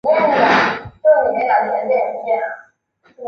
他是荒诞派戏剧的重要代表人物。